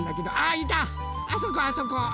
あそこあそこ！